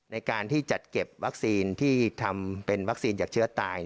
ในการที่จัดเก็บวัคซีนที่ทำเป็นวัคซีนจากเชื้อตาย